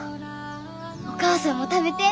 お母さんも食べて。